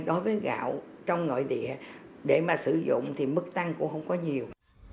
đối với gạo trong nội địa để mà sử dụng thì mức tăng cũng không có nhiều